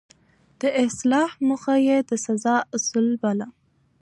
د اصلاح موخه يې د سزا اصل باله.